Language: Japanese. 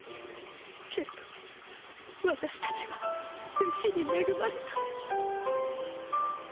けれど私達は弟子に恵まれた！